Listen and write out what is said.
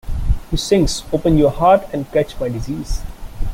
He sings, "Open your heart, and catch my disease".